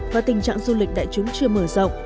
và tình trạng du lịch đại chúng chưa mở rộng